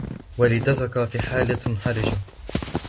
والدتك في حالة حرجة.